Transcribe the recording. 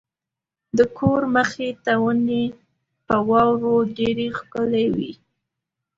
د کور مخې ته ونې په واورو ډېرې ښکلې وې.